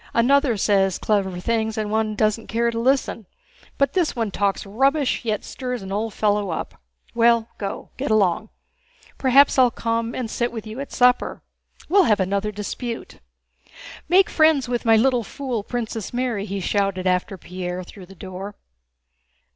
Another says clever things and one doesn't care to listen, but this one talks rubbish yet stirs an old fellow up. Well, go! Get along! Perhaps I'll come and sit with you at supper. We'll have another dispute. Make friends with my little fool, Princess Mary," he shouted after Pierre, through the door.